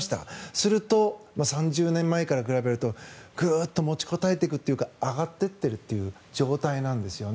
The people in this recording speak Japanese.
すると３０年前から比べるとぐっと持ちこたえていくというか上がっていっているという状態なんですね。